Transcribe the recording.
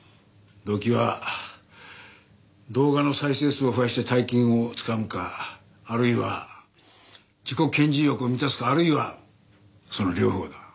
動機は動画の再生数を増やして大金をつかむかあるいは自己顕示欲を満たすかあるいはその両方だ。